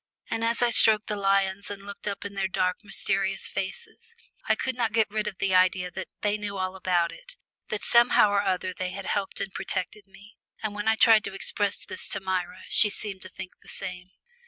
And as I stroked the lions and looked up in their dark mysterious faces, I could not get rid of the idea that they knew all about it, that somehow or other they had helped and protected me, and when I tried to express this to Myra she seemed to think the same.